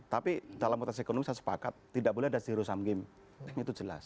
tapi dalam konteks ekonomi saya sepakat tidak boleh ada zero sum game itu jelas